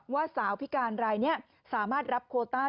ว่าสาวพิการรายนี้สามารถรับโคต้า